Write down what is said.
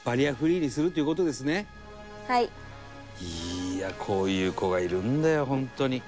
いやあこういう子がいるんだよ本当に。